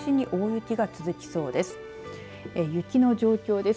雪の状況です。